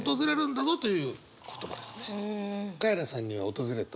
カエラさんには訪れた？